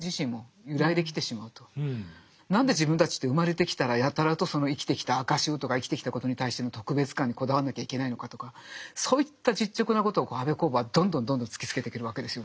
彼のその何で自分たちって生まれてきたらやたらとその生きてきた証をとか生きてきたことに対しての特別感にこだわんなきゃいけないのかとかそういった実直なことを安部公房はどんどんどんどん突きつけてくるわけですよね。